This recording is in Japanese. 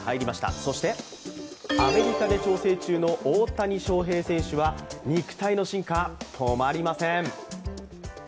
そしてアメリカで調整中の大谷翔平選手は肉体の進化、止まりません。